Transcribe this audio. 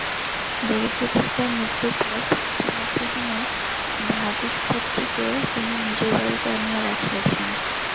দরিদ্র পিতার মৃত্যুর পর পিতৃমাতৃহীনা ভ্রাতুষ্পুত্রীকে তিনি নিজের বাড়িতে আনিয়া রাখিয়াছেন।